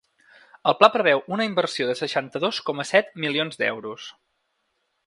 El pla preveu una inversió de seixanta-dos coma set milions d’euros.